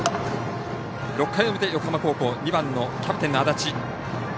６回表、横浜高校２番のキャプテンの安達。